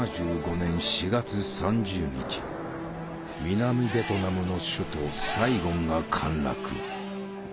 南ベトナムの首都サイゴンが陥落。